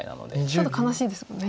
ちょっと悲しいですもんね。